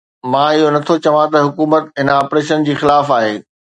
مان اهو نٿو چوان ته حڪومت هن آپريشن جي خلاف آهي.